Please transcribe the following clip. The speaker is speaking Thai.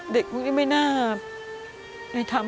เด็กพวกนี้ไม่น่า